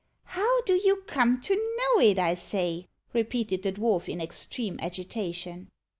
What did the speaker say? "How do you come to know it, I say?" repeated the dwarf, in extreme agitation.